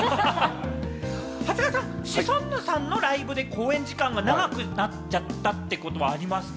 シソンヌさんのライブで公演時間が長くなっちゃったってことはありますか？